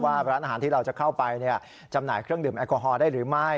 ร้านอาหารที่เราจะเข้าไปจำหน่ายเครื่องดื่มแอลกอฮอล์ได้หรือไม่